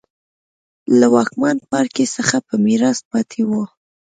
له واکمن پاړکي څخه په میراث پاتې وو.